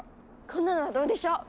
こんなのはどうでしょう？